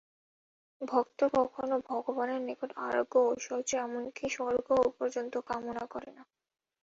ভক্ত কখনও ভগবানের নিকট আরোগ্য বা ঐশ্বর্য, এমন-কি স্বর্গ পর্যন্ত কামনা করেন না।